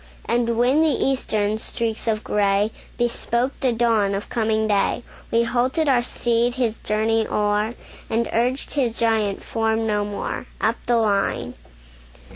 And when the Eastern streaks of gray Bespoke the dawn of coming day, We halted our steed, his journey o'er, And urged his giant form no more, Up the line.